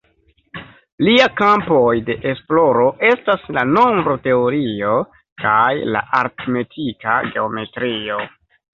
Lia kampoj de esploro estas la nombroteorio kaj la aritmetika geometrio.